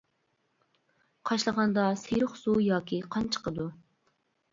قاشلىغاندا سېرىق سۇ ياكى قان چىقىدۇ.